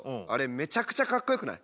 めちゃくちゃかっこよくない？